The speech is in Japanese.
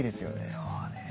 そうね。